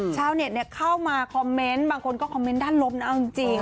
ชาวเน็ตเข้ามาคอมเมนต์บางคนก็คอมเมนต์ด้านลบนะเอาจริง